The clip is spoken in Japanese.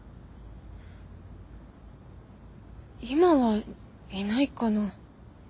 今はいないかな。